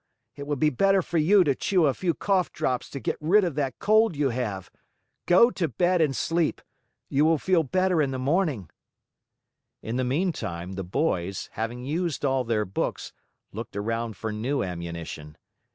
It would be better for you to chew a few cough drops to get rid of that cold you have. Go to bed and sleep! You will feel better in the morning." In the meantime, the boys, having used all their books, looked around for new ammunition.